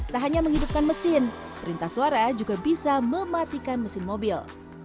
tak hanya menghidupkan mesin perintah suara juga bisa mematikan mesin mobil